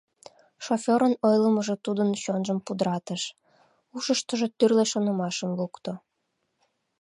Шофёрын ойлымыжо тудын чонжым пудратыш, ушыштыжо тӱрлӧ шонымашым лукто.